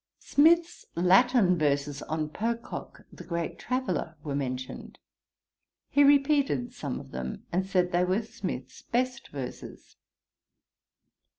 Smith's Latin verses on Pococke, the great traveller, were mentioned. He repeated some of them, and said they were Smith's best verses.